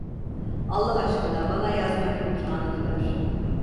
Allah aşkına bana yazmak imkânını ver.